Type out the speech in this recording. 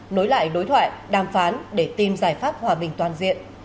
nối lại đối thoại đàm phán để tìm giải pháp hòa bình toàn diện